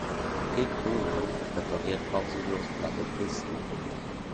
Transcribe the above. Pit Pohlmann präpariert pausenlos platte Pisten.